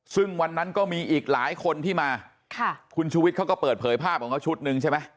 ซึ่งวันนั้นก็มีอีกหลายคนที่มาค่ะคุณชุวิตเขาก็เปิดเผยภาพของเขาชุดหนึ่งใช่ไหม